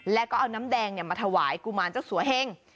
แล้วก็เอาน้ำแดงมาถวายกุมารเจ้าสัวเฮ่ง